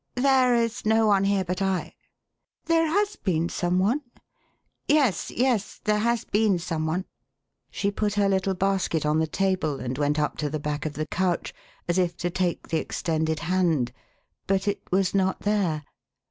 "There is no one here but I." " There has been some one ?"" Yes, yes, there has been some one." She put her little basket on the table, and went up to the back of the couch, as< if to take the extended hand — but it was not there.